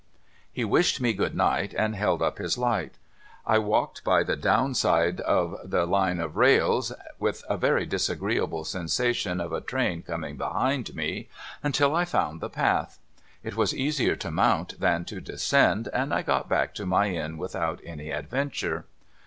He wished me good night, and held up his light. I walked by the side of the down Line of rails (with a veiy disagreeable sensa tion of a train coming behind me) until I found the path. It was easier to mount than to descend, and I got back to my inn without any adventure.